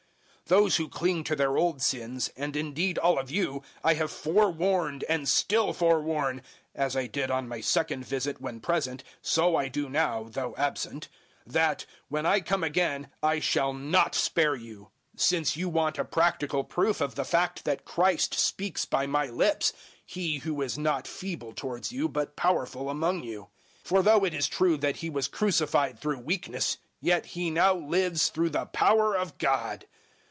013:002 Those who cling to their old sins, and indeed all of you, I have forewarned and still forewarn (as I did on my second visit when present, so I do now, though absent) that, when I come again, I shall not spare you; 013:003 since you want a practical proof of the fact that Christ speaks by my lips He who is not feeble towards you, but powerful among you. 013:004 For though it is true that He was crucified through weakness, yet He now lives through the power of God.